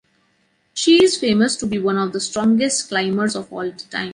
She is famous to be one of the strongest climbers of all time.